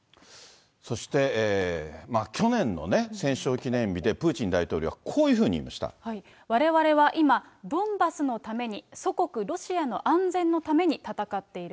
そして、去年の戦勝記念日でプーチン大統領はこういうふうにわれわれは今、ドンバスのために祖国ロシアの安全のために戦っている。